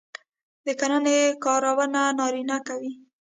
د کرنې کارونه نارینه کوي.